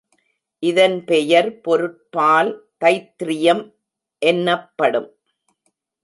இதன் பெயர் பொருட்பால், தைத்திரயம் என்னப்படும்.